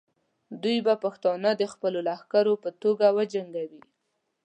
دوی به پښتانه د خپلو لښکرو په توګه وجنګوي.